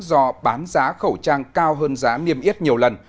do bán giá khẩu trang cao hơn giá niêm yết nhiều lần